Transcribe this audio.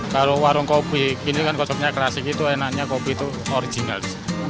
kalau warung kopi gini kan konsepnya klasik itu enaknya kopi itu original